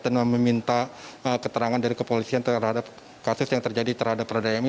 dan meminta keterangan dari kepolisian terhadap kasus yang terjadi terhadap proda emi